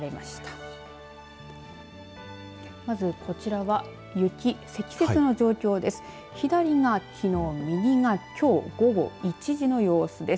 まず、こちらは雪、積雪の状況です。